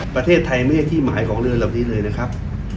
ประเทศไทยไม่ใช่ที่หมายของเรือนเหล่านี้เลยนะครับ